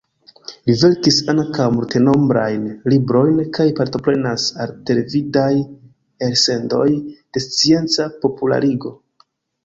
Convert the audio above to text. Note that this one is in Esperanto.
Li verkis ankaŭ multenombrajn librojn kaj partoprenas al televidaj elsendoj de scienca popularigo.